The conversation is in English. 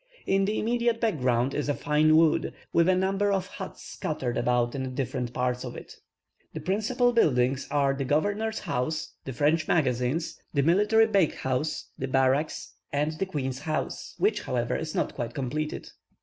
In the immediate background is a fine wood, with a number of huts scattered about in different parts of it. The principal buildings are the governor's house, the French magazines, the military bakehouse, the barracks, and the queen's house, which however is not quite completed.